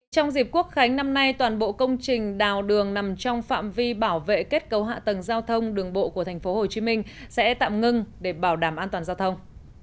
trong dịp quốc khánh năm nay toàn bộ công trình đào đường nằm trong phạm vi bảo vệ kết cấu hạ tầng giao thông đường bộ của tp hcm sẽ tạm ngưng để bảo đảm an toàn giao thông